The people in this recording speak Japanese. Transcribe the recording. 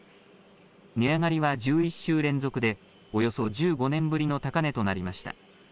値上がりは１１週連続で、およそ１５年ぶりの高値となりました。